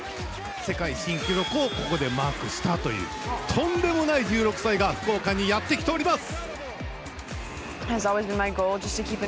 世界新記録をマークしたというとんでもない１６歳が福岡にやってきております。